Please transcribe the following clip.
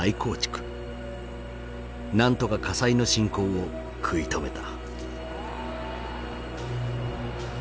なんとか火災の進行を食い止めた。